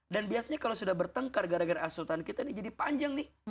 dan biasanya kalau sudah bertengkar gara gara asutan kita ini jadi panjang nih